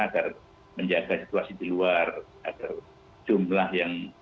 agar menjaga situasi di luar atau jumlah yang